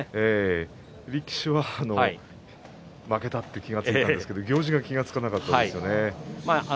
力士は負けたって気が付いたんですが行司が気が付かなかったですよね。